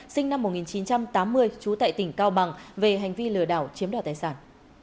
sinh năm một nghìn chín trăm tám mươi trú tại tỉnh cao bằng về hành vi lừa đảo chiếm đoạt tài sản